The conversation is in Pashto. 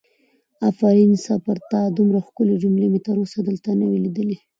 آفرین سه پر تا دومره ښکلې جملې مې تر اوسه دلته نه وي لیدلې!